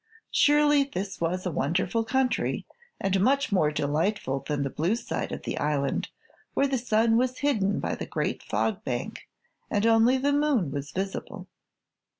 Surely this was a wonderful country and much more delightful than the Blue side of the island, where the sun was hidden by the great Fog Bank and only the moon was visible.